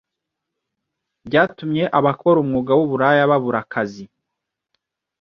byatumye abakora umwuga w’uburaya babura akazi.